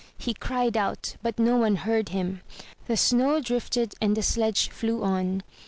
He cried out, but no one heard him. The snow drifted and the sledge flew on.